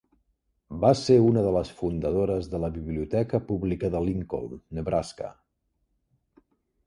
Va ser una de les fundadores de la biblioteca pública de Lincoln, Nebraska.